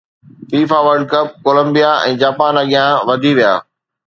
FIFA World Cup Colombia ۽ Japan اڳيان وڌي ويا